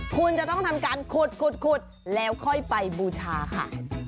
คุณจะต้องทำการขุดขุดแล้วค่อยไปบูชาค่ะ